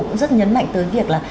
cũng rất nhấn mạnh tới việc là